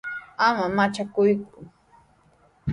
Ama manchakuyku.